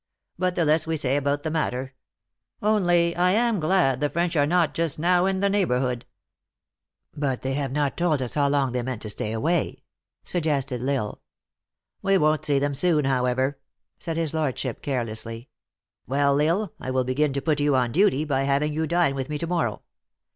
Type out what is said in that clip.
But the less we say about the matter only I am glad the French are not just now in the neighbor hood." " But they have not told us how long they meant to stay away," suggested L Isle. " We won t see them soon, however," said his lord ship carelessly. " Well, L Isle, I will begin to put you on duty by having you to dine with me to mor row.